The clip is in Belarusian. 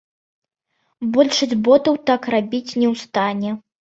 Большасць ботаў так рабіць не ў стане.